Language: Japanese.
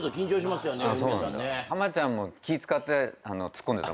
浜ちゃんも気ぃ使ってツッコんでた。